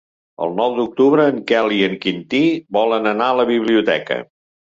El nou d'octubre en Quel i en Quintí volen anar a la biblioteca.